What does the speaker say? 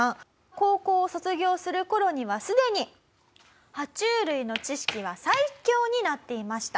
高校を卒業する頃にはすでに爬虫類の知識は最強になっていました。